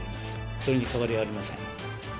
それに変わりはありません。